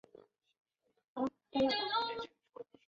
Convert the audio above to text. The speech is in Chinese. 卵叶花佩菊为菊科花佩菊属下的一个种。